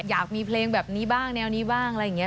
อยากมีเพลงแบบนี้บ้างแนวนี้บ้างอะไรอย่างนี้